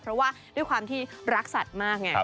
เพราะว่าด้วยความที่รักสันมากเนี่ย